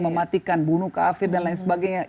mematikan bunuh kafir dan lain sebagainya